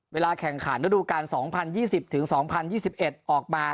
เวลาแข่งขาณดูการสองพันยี่สิบถึงสองพันยี่สิบเอ็ดออกมา